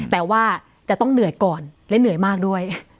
แต่ว่าจะต้องเหนื่อยก่อนและเหนื่อยมากด้วย